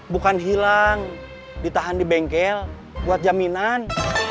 bukan hilang ditahan di bengkel buat jaminan